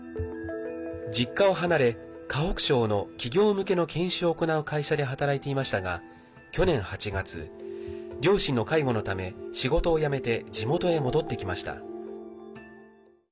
実家を離れ、河北省の企業向けの研修を行う会社で働いていましたが、去年８月両親の介護のため、仕事を辞めて地元へ戻ってきました。